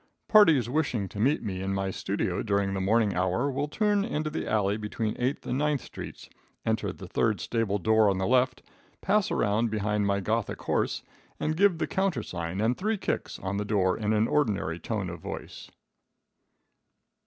Parties wishing to meet me in my studio during the morning hour will turn into the alley between Eighth and Ninth streets, enter the third stable door on the left, pass around behind my Gothic horse, and give the countersign and three kicks on the door in an ordinary tone of voice.